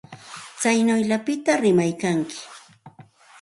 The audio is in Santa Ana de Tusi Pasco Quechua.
Tsaynawllapita rimaykanki.